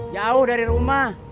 jauh dari rumah